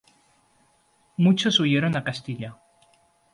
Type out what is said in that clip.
Muchos huyeron a Castilla.